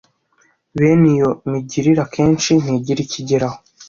Bene iyo migirire akenshi ntigira icyo igeraho